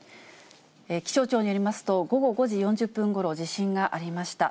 気象庁によりますと、午後５時４０分ごろ、地震がありました。